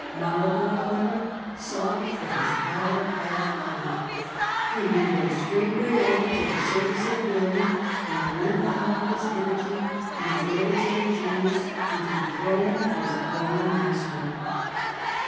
Marl borough, however, saw that his hour had come, and he went straightway over to the service of William, and lent the help of his energy and his military genius to dethrone his former master.